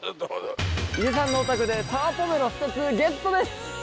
井手さんのお宅でサワーポメロ２つゲットです。